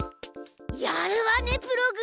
やるわねプログ！